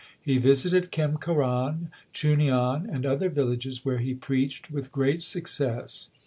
He visited Khemkaran, Chunian, and other villages, where he preached with great success.